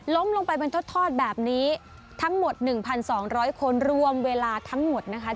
ลงไปเป็นทอดแบบนี้ทั้งหมด๑๒๐๐คนรวมเวลาทั้งหมดนะคะ